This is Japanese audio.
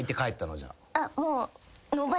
じゃあ。